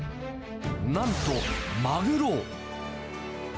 なんとマグロ。